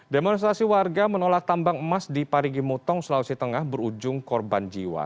demonstrasi warga menolak tambang emas di parigi mutong sulawesi tengah berujung korban jiwa